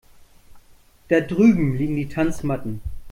Da drüben liegen die Tanzmatten.